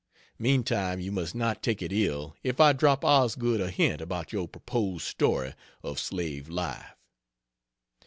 Meantime you must not take it ill if I drop Osgood a hint about your proposed story of slave life.....